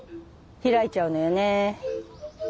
開いちゃうのよね。